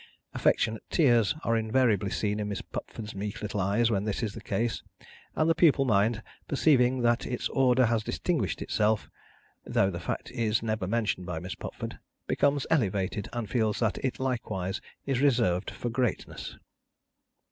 Affectionate tears are invariably seen in Miss Pupford's meek little eyes when this is the case; and the pupil mind, perceiving that its order has distinguished itself though the fact is never mentioned by Miss Pupford becomes elevated, and feels that it likewise is reserved for greatness.